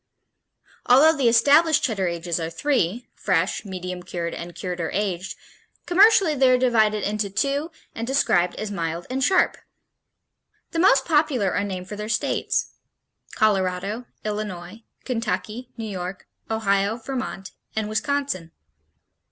Although the established Cheddar ages are three, fresh, medium cured, and cured or aged, commercially they are divided into two and described as mild and sharp. The most popular are named for their states: Colorado, Illinois, Kentucky, New York, Ohio, Vermont and Wisconsin.